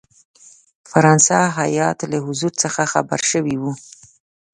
فرانسه هیات له حضور څخه خبر شوی وو.